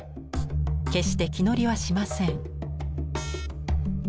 決して気乗りはしません。